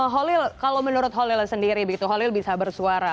holil kalau menurut holil sendiri begitu holil bisa bersuara